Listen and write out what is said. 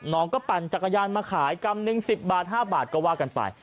น้องก็ปั่นจักรยานมาขายกรัมหนึ่ง๑๐บาท๕บาทก็ว่ากันไป